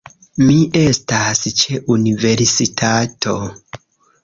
Mi estas ĉe universitato